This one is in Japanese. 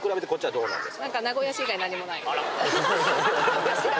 そうなんですよ。